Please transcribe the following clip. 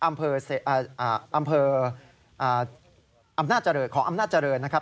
อำเภออำนาจเจริญนะครับ